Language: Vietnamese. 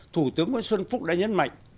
thủ tướng nguyễn xuân phúc đã nhấn mạnh